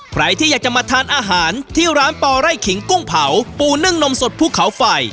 ใครที่อยากจะมาทานอาหารที่ร้านปอไร่ขิงกุ้งเผาปูนึ่งนมสดภูเขาไฟ